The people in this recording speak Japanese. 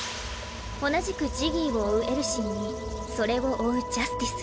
同じくジギーを追うエルシーにそれを追うジャスティス。